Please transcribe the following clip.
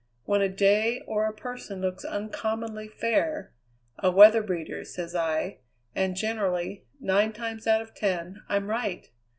When a day or a person looks uncommonly fair a weather breeder, says I, and generally, nine times out of ten, I'm right.